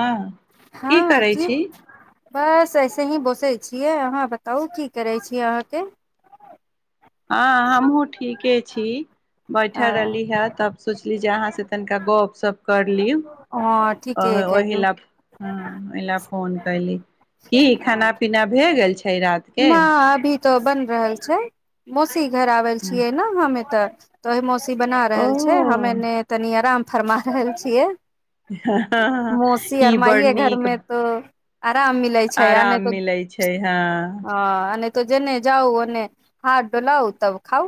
हँ की करै छी बस ऐसे ही बोसै छियै अहाँ बताउ की करै छी अहाँके हँ हमहूँ ठीके छी बैठल आ, रहली हेँ तब सोचली जे अहाँसँ तनिका गप्पशप कर लिउ हँ ठीके ओहिी कहलू लए हँ इल फोन कयली की खाना पीना भए गेल छै छै रात के त बन रहल छै म ी घर आवल छियै ने हम एतऽ तऽहि मौसम बना रहल छै ह ओ एने तनी आराम फरमा रहल छियै मौसी आर ई बड़ माइये घर नीक मे तो आराम मिलै छै आ आराम नहि तऽ मिलै छै हँ नहि त जेने जाउ हार डो लाव तब खउ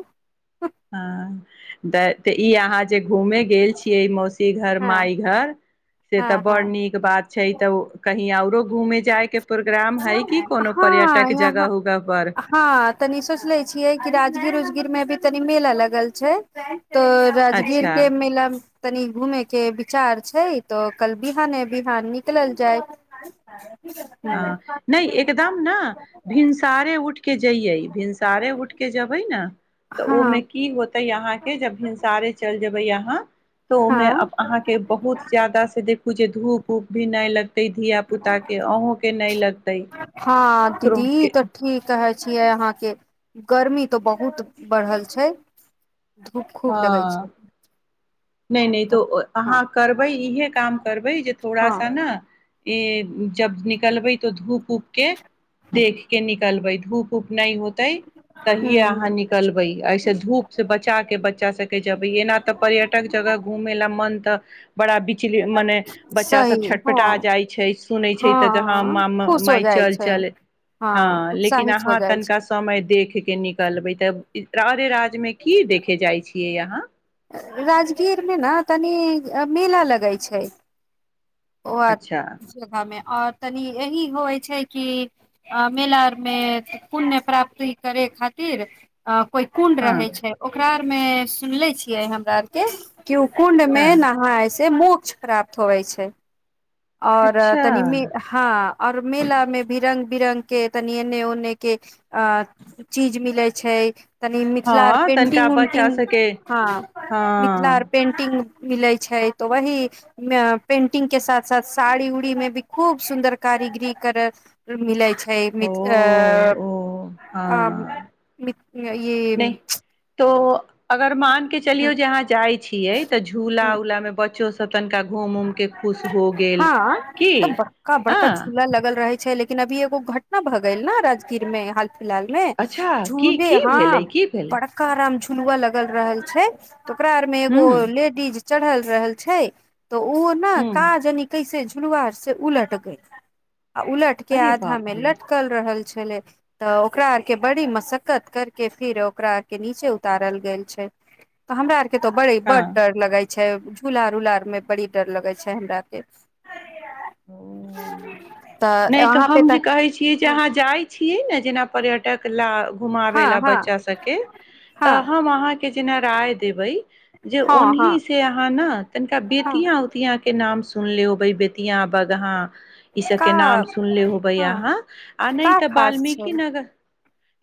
हँ तऽ तऽ ई अहाँ जे घूमे गेल छीियै मौसी घर हँ मााय घर से तऽ हँ बड़ हँ नीक बात छै तऽ कही घूमे जायके हँ यह जगह उगह पर हँ तनी सोचले छियै कि राजगीर उजगीर मे भी तनी मेल अलग अल छै तऽ राजगीर अच्छा के मेला मे तनी घूमे के विचार छै तऽ कल बिहान बिहान निकलल जाय हँ नहि एकदम ने भिनसारे उठके जैयै भिनसारे उठके जेबै ने तऽ ओहिमें हँ की होतै यहााँ के जब हिंसारे चल जे भै यहाँ तऽ हँ ओहिमेब अहाँके बहुत ज्यादा से देखू जे धूप खूब भी नहि लगत त धियिया पुता के अहँं लक हँ दीदी तऽ ठीक है आहा के गर्मी त बहुत बढ़ल छै धूप खूब लगै हँ छै नहि नहि तऽ अहाँ करबै इहे काम करबै जे थोड़ा सा हँ ने ई जब निकलबै तऽ धूप उऊप के देख के निकलबै धूप उप नहि होते तहिे अहाँ ह निकलबै स धूप से बचा के बच्चा सबके जेबै एना तऽ पर्यट जगह घुमे ला मन तऽ बड़ा मने बच्चासभ सही हँ छटपटा जाइत छै सुनैत छै तऽ हँ मा खुश हो मााय जाइ चल छै चल हँ लेकिन उत्साहित हो अहाँ जाइ छै तनिका समय देख कऽ निकलबै तऽ राधे राधे मे की देखे जाइ छै प्रयः राजगीरमे ने तनी मेला लगै छै अच्छा ओमे आओर तनि एहिह होइ छै कि मेला आरमे पुण्य प्राप्ति करै खातिर कोई कुण्ड हँ रहै छै ओकरा मे सुनले छियै हमरा आर के कुकुंड में हँ नहाऐ से मोक्ष प्राप्त होवे छै ओर अच्छा तनी हँ आऔर मेलामे भी रंग बिरंगग के तनि एने ओने के अ चीज मिले छै तनी मिथिलिलारर हँ तनिका पेंटिंग बच्चा उंटिंग सभके हँ मिथिलल आर हँ पेंटिंग मिलै छै तऽ वही पेंटिंग के साथ सा साड़ी उड़ी में भी खूब सुदर कारीगरी कर मिले छै ओ है ओ हँ मि नहि य तो अगर मान के चलियो जे अहा जाय छीिये ते झूला ई उला में बच्चो सब तनिका घूम उम के खुश हो गेल हँ की तऽ बड़का आ बड़का झूला लगल रहे छै लेकिन अभी एगो घटना भऽ गेल ने राजगीर मे हाल फिलहालमें अच्छा की झूले की हँ भेलै की भेलै बड़का आराम झू खलुआ लगल रहल छै ओकरा आर में एगो ह्म लेडीज चढ़ल रहल छै तऽ ओहो ने ह्म काजनी कैसे शुुरवार से उलट गय आ उलट के अरे आधा बाप मे रे लटक रहल छी त ओकरा आर के बड़ी मसक्कत करके फिर ओकरार के नीचे उतारल गेल छै हमरा बड़े हँ बडर लगा छै झलार उलार मे बड़ी डर लगे छै हमरा के ओ नहि तऽ हम जे कहै छियै जे हँ अहाँ जाइत छियै ने जेना पर टकला हँ हँ हँ हँ हँ [unintelligible] सुनलियौ बेतिया बगहाँ का के नाम सुनले होबै हँ यहाँ आ नहि का तऽ खास छै वाल्मीकि नगर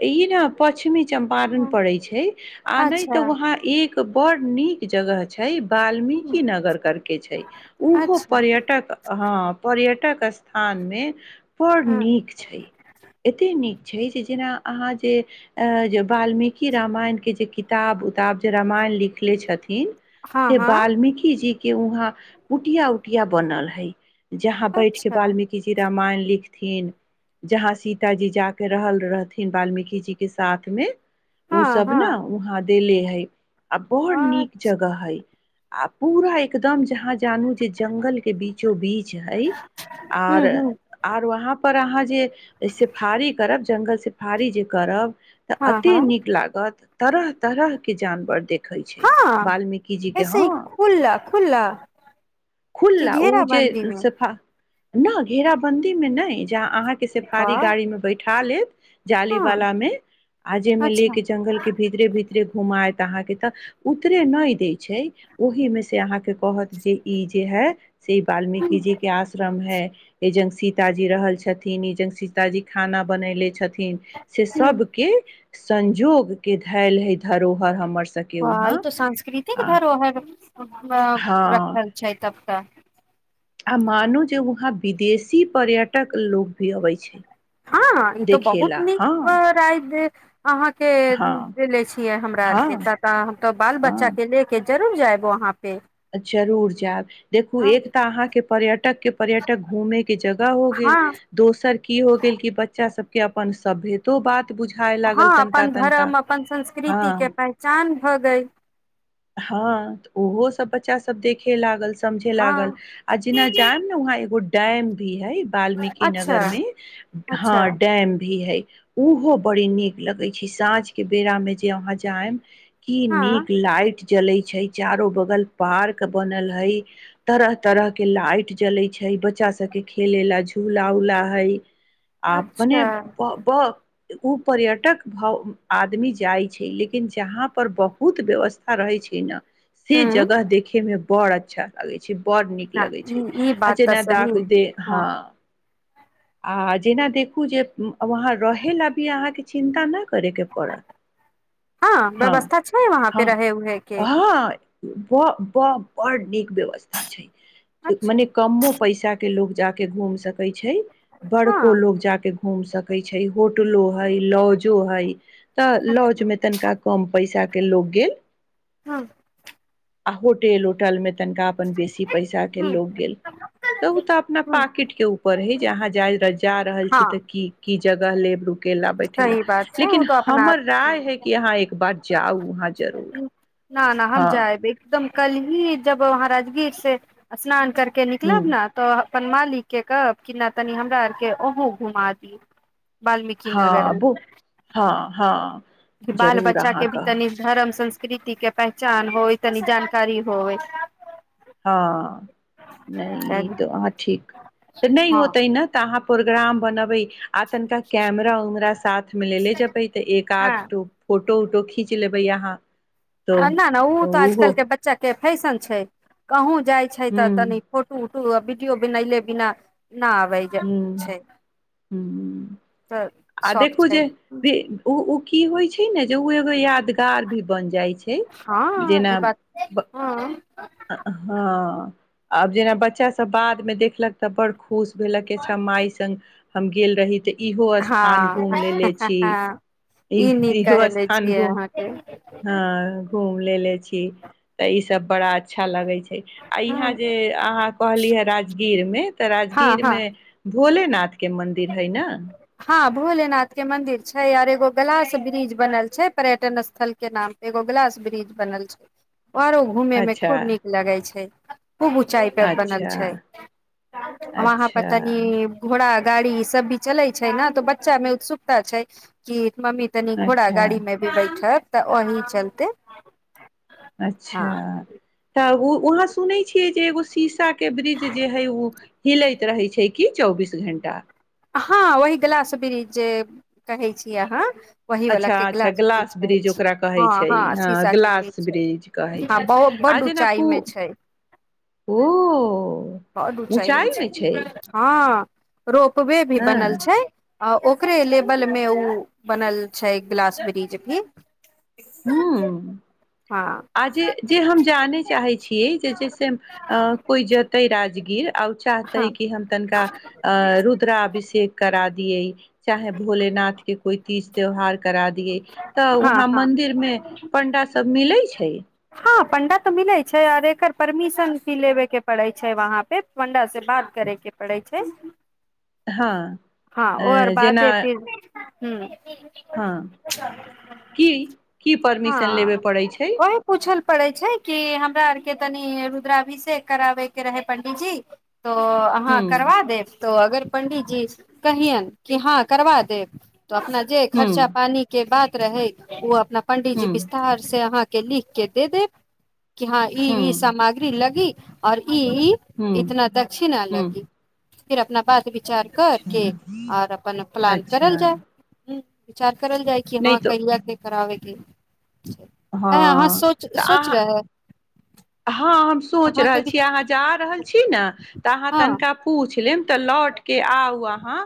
ई ने प्चमी चम्पारण पड़ै छै आ नहि तऽ अच्छा वहााँ एक बड़ नीक जगह छै वाल्मीकि नगर कर के छै उहो अच्छा पर्यटक ह पर्यट टक स्थान मे बड़ हँ नीक छै एतेक नीक छै जेना अहाँ जे वाल्मीकि रामायण के जे क किताब उताब जे रामायण लिखले छथिन हँ से हँ बाल्मीकिजीे के वहाँ उटिया उटिया बनल है जहाँ बैठ अच्छा बाल्मीकी जी र रामायण लिखथिन जहाँ सीतााजी जाक रहल रहथिन बाल्मीकि जी के साथमे ओ हँ सब ने हँ वहाँ दे ले है नहि आ बहुत हँ नीक जगह हय आ पूरा एकदम जहाँ जानू जे जंगल के बीचो बीच हय आर हँ आर वहाँ पर अहाँ जे से फारी करब जङ्गलसँ फारी जे करब तऽ एतेक हँ नीक लागत तरह तरह के जानवर देख हँ वाल्मीकि जी के ऐसे ही ह खुला खुला कि खुला ओ घेरा जे बन्दी मे न घेराबन्दी मे नहि ज अहाँ के सिफारी वाह गाड़ी में बैठा लेत जाली हँ वाला में आजे में ले अच्छा के जंगल के भीतरे भीतरे घुमाायत अहाँके तऽ उतरे नहि दै छै ओहीमे से अहाँकेँ कहत जे ई जे हए से हूँ बाल्मीकीजी के आस हैज सीतााजी रहल छथिन ई ज सीताजी खाना बनेले छथिन न से हूँ सबके संजोग के धायल है धरोहर हमर सबके ह ई वहाँ तो सांस्कृतिक आ धरोहर हँ रखल छै तब तऽ आ मानू जे वहाँ विदेशी पर्यटक लोक भी अबै छै हँ ई तो बहुत देखेला नीक हँ राज अहाँ के हँ देले छियै हमरा आर हँ के त तऽ हम तो बाल बच्चा के ले के जरूर जाएबो वहाँ पे अच्छा रूर जाब देखू हँ एक तऽ अहाँके पर्यटक के पर्यटक घूमे के जगह हो गेल हँ दोसर की हो गेल क बच्चा सब के अपन सभ्यतो बात बुझाय हँ लागल तनिका अपन तनिका धर्म अपन हँ संस्कृतिे पहचान हो गई हँ तऽ ओहो सब बच्चा सब देखे लागल समझे हँ लागल आ जेना जायब ने वहाँ एगो टाइम दिअ है वाल्मीकी अच्छा नगर मे हँ अच्छा ैम भी है ओहो बड़ी नीक लगै छै साँझके बेरामे जे अहाँ जायब की नीक हँ लाइट जले छै चारो बगल पार्क बनल हई तरह तरह के लाइट जले छै बच्चा सब के खेले ला झूला उला हई आ मने अच्छा ब ओ पर्यटक भ आदमी जाइ छै लेकिन जहाँ पर बहुत व्यवस्था ा रहै छी ने से हूँ जगह देखे में बहुत अच्छ अच्ाी बड़ नीक ना, लगै छै ई ई आ बात तऽ जेना सही द दे हँ आ जेना देखू जे वहाँ रहै लए अभी अहाँके चिन्ता नहि हँ व्यवस्था छै वहाँ पे रह ह ब ब बड़ नीक व्यवस्था छै अच्छा मने कमो पैसा के ल जा के घूम सक सकै छै बड़को हँ लोक जा कऽ घूमि सकै छै होटलो हइ लॉजो हइ तऽ अच्छा लॉजमे तनिका कम पैसाके लोक गेल हँ आ होटेल होटलमे त क क हूँ हूँ हँ क जगह लेबू केला बैठेला सही बात छै ओ लेकिन तऽ हमर राय अपना है कि अहाँ एक बार जाउ अहाँ जरूर न न हम हँ जाएब एकदम कल ही जब म राजगीर से स्नान करे के ह निकलब ने तऽ अपन मालिक के कहब कि नहि तनी हमरा आर के ओहं घुमा दी ब हँ आबू हँ हँ जरूर अहाँ कहब प्रकृति के पहचान होइ तनी जानकारी होय हँ नहि त हँ अह ठीक तऽ नहि होतै न तऽ अहाँ प्रोग्राम बनाबे आ तनिका कैमरा उमरा साथ मे ले ले जेबै तऽ एक हँ आध फोटो उटो खींच ले भैआहाँ न न ओ तऽ आजकल के बच्चाे फैशन छै कहूँ जाय छै त तनी ह्म फोटो उ भीडियओ बनल बिना न अै ह्म छै ह्म त आ देखू जे भी उ उ की होइ छै ने जे उ एगो यादगार भी बन जाय छै हँ ई जेना बात हँ हँ आब जेना बच्चा सब बाद में देखलक ते बड़ खुश भेलकच माइ सङ्ग हम गेलेल रहे ते इहो स्थान हँ घूम लेले छी ई नीक इहो कहले स्थान छियै घुम अहाँके ह घूम लेले छी सब बड़ा अच्छा लाग हँ हँ छै [unintelligible] भोलेनाथ के मंन्दिर है ने हँ भोलेनाथ के मंदिर छै यर एगो ग्िलास ब्रिज बनल छै पर्यटन स्थल के नाम पे एगो ग्िलास ब्रिज बनल छै आऔरो घूमे में अच्छा खूब नीक लगे छै खूब ऊचाई परे बनल अच्छा छै वहााँ परे अच्छा तनी घोड़ा गाड़ी ई सब भी चले छै ने तो बच्चा में उत्सुकता छै कि मम्मी तनी घोड़ा अच्छा गाड़ी मे भी बैठत तऽ ओही चलते अच्छा हँ तऽ ओ उहााँ सुनै छियै जे एगो शीशा के ब्रिज जे है ओ हिलैत रहै छै कि चौबीस घं्टा हँ वही गिलास वृ्ष जे कहै छीिय अहाँ वही वाला अच्छा के अच्छा ग्लास गिलास ब्रिज कहै ब्रीज छी ओकरा कहै हँ छै हँ शीशा के ग्िलास ब्रिज छै ब्रीज कहै छै हँ बहु आ बड जेना ऊंचाई पू मे छै ओ बड ऊँचाइमे छै रोकक पबे भी हँ बनल छै अ ओकरे लेबल मे ओ बनल छै ग्िलास ब्रिज भी ह हँ आ जे जे हम जानै चाहै छियै जे जैस कोइ जतै राजगीर आ चाहते हँ कि हम तनिका अ रुद्राभिषेक करा दियै चाहे भोलेनाथ के कोइ तीज त्यौहार करा दियए तऽ हँ वहाँ हँ मंदिर मे पण्डा सब मिलै छै हँ पण्डा तऽ मिलैत छै आर एकर परमिशन भी लेबे के पड़ै छै वहाँ पे पण्डा से बात करेके पड़ैत छै हँ अ सा जेना दे फिर हू हँ की की परमिशन लेबय हँ पड़ैत छै ओही पूछल पड़ै छै कि हमरा आर के तनि रुद्राभिषे कराबे के रहै पं्डीजी तऽ हूँ अहाँ करबा देब तो अगर पं्डित जी कही क हँ करबा देब तऽ अपना जे हूँ खर्चा पानी के बाद रहै ओ पं्डीजी हूँ विस्तार से अहाँ के ल केदे दे क हँ ई ई हूँ सामग्री लगी आओर ई हूँ इतना दक्षिण हूँ अलगी फिर अपना बात विचार करके अच्छा आओर अपन प्लान करल अच्छा जाय ह विचार करल जाय कि नहि हँ तऽ कहिय बात नहि कराबे क अ अहाँ हँ सोच सोच तऽ रहेै हँ हम सोच रहल छी अहाँ जा रहल छी ने तऽ अहाँ हँ तनिका पूछि लेब तऽ लौट के आ हुआ ह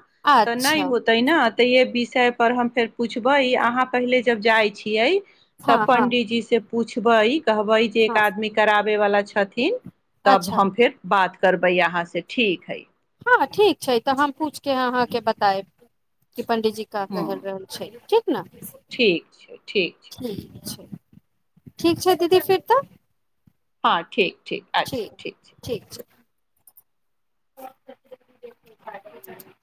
तऽ नहि अच्छा होतै न तऽ येी परर हम फेर पुछबै अहाँ पहिले जब जाइ छियै हँ तब हँ पण्डितजी से पुछबाइ कहबै जे एक हँ आदमीे आबै वला छथिन तब अच्छा हम फेर बात करबै अहाँ से ठीक है हँ ठीक छै तऽ हम पूछिके अहाँके बतायब पं्डीजी का हूँ कहल रहल छै ठीक ने ठीक छै ठीक छै ठीक छै दीदी फिर तऽ हँ ठीक ठीक अच्छा ठीक छै [unintelligible]